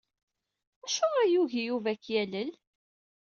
Acuɣer ay yugi Yuba ad k-yalel?